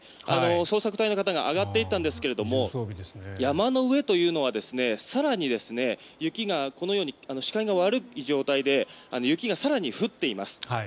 捜索隊の方が上がっていったんですが山の上というのは更に雪がこのように視界が悪い状態で雪が更に降っています。